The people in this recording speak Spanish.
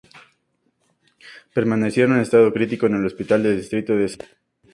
Permanecieron en estado crítico en el Hospital de Distrito de Salisbury.